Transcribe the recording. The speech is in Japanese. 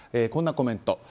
こんなコメント。